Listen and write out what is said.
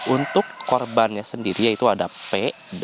untuk korbannya sendiri yaitu ada p dengan inisial p